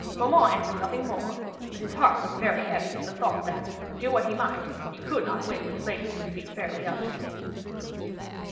Beaumains answered nothing more, but his heart was very heavy at the thought that, do what he might, he could not win this lady to speak fairly of him.